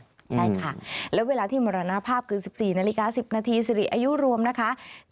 ใช่ค่ะแล้วเวลาที่มรณภาพคือ๑๔นาฬิกา๑๐นาทีสิริอายุรวมนะคะ